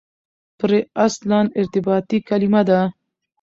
پرې اصلاً ارتباطي کلیمه ده.